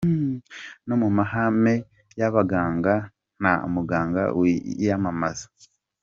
No mu mahame y’abaganga nta muganga wiyamamaza.